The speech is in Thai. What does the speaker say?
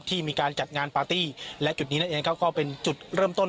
มีการจัดงานปาร์ตี้และจุดนี้นั่นเองครับก็เป็นจุดเริ่มต้น